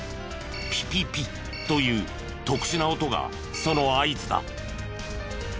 「ピピピッ」という特殊な音がその合図だ。